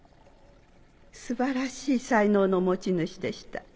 素晴らしい才能の持ち主でした。